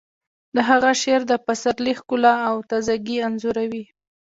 د هغه شعر د پسرلي ښکلا او تازه ګي انځوروي